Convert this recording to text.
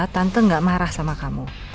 tante gak marah sama kamu